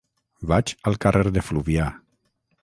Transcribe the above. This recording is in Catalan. Vaig al carrer de Fluvià.